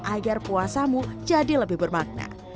agar puasamu jadi lebih bermakna